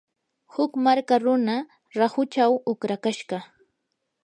huk marka runa rahuchaw uqrakashqa.